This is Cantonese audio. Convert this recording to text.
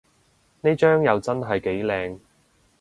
呢張又真係幾靚